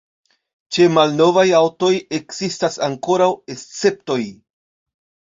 Ĉe malnovaj aŭtoj ekzistas ankoraŭ esceptoj.